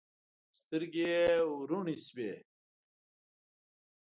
سترګې یې وروڼې شوې.